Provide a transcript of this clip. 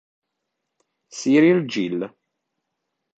Cyril Gill